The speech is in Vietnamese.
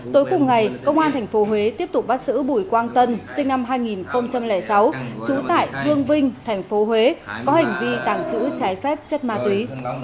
tối cùng ngày công an thành phố huế tiếp tục bắt giữ bùi quang tân sinh năm hai nghìn sáu trú tại phương vinh thành phố huế có hành vi tàng trữ trái phép chất ma túy